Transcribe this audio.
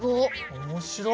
おもしろ！